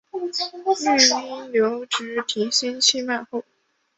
育婴留职停薪期满后